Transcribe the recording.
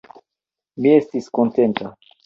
Mi estis kontenta.